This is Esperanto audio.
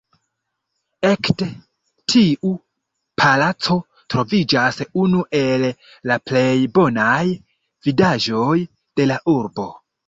Ekde tiu palaco troviĝas unu el la plej bonaj vidaĵoj de la urbo.